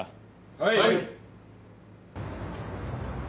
はい。